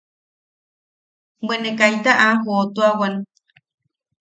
Bwe ne kaita a jootuawan.